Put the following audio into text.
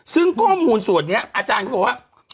ซึ่งข้อมูลส่วนนี้อาจารย์เขาบอกว่า